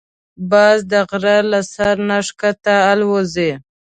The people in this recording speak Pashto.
باز د غره له سر نه ښکته الوزي